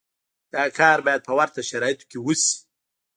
دا کار باید په ورته شرایطو کې وشي.